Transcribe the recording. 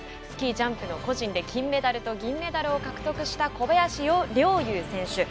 スキージャンプの個人で金メダルと銀メダルを獲得した小林陵侑選手。